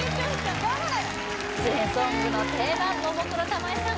失恋ソングの定番ももクロ玉井さん